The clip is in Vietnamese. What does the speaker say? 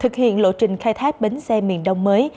độ trình khai thác bến xe miền đông mới